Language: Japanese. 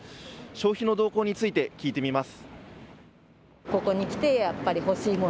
消費の動向について聞いてみます。